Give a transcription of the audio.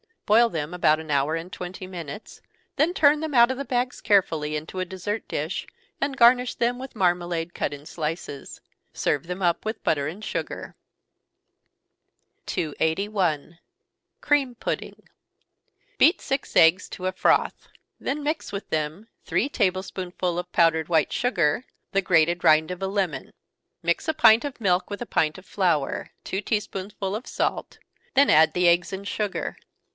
Boil them about an hour and twenty minutes, then turn them out of the bags carefully into a dessert dish, and garnish them with marmalade cut in slices. Serve them up with butter and sugar. 281. Cream Pudding. Beat six eggs to a froth then mix with them three table spoonsful of powdered white sugar, the grated rind of a lemon. Mix a pint of milk with a pint of flour, two tea spoonsful of salt then add the eggs and sugar.